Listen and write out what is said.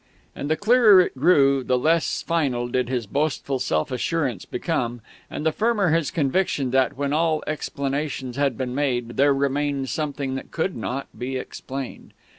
And the clearer it grew, the less final did his boastful self assurances become, and the firmer his conviction that, when all explanations had been made, there remained something that could not be explained.